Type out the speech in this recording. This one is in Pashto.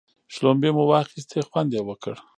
شلومبې مو واخيستې خوند یې وکړ.